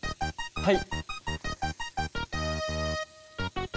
はい。